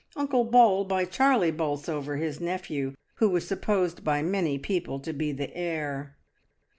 Uncle Bol by Charlie Bolsover his nephew, who was supposed by many people to be the heir.